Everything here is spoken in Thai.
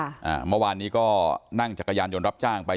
อ่าเมื่อวานนี้ก็นั่งจักรยานยนต์รับจ้างไป